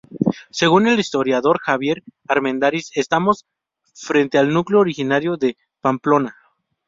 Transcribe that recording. Según el historiador Javier Armendáriz, estamos frente al núcleo originario de Pamplona.